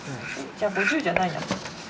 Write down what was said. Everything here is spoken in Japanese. じゃあ５０じゃないじゃん。